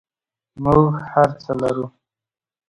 موږ هر څه لرو؟